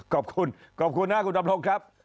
ขอบคุณขอบคุณนะคุณดำรงครับ